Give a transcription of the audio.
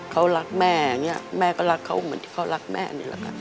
เขารักแม่อย่างนี้แม่ก็รักเขาเหมือนที่เขารักแม่นี่แหละค่ะ